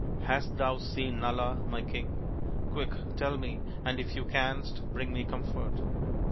" Hast thou seen Nala, my king ? Quick, tell me, and if thou canst, bring me comfort."